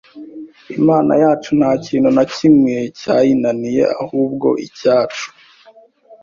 Imana yacu nta kintu na kimwe cyayinaniye ahubwo icyacu